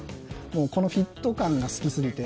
このフィット感が好きすぎて。